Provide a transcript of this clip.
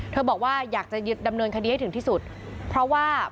บอกว่าอยากจะดำเนินคดีให้ถึงที่สุดเพราะว่า